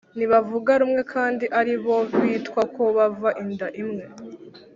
Ntibavuga rumwe kandi ari bo bitwa ko bava inda imwe